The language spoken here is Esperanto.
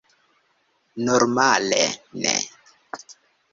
Normale, ne.